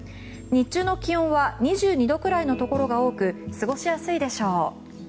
日中の気温は２２度くらいのところが多く過ごしやすいでしょう。